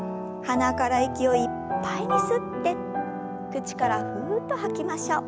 鼻から息をいっぱいに吸って口からふうっと吐きましょう。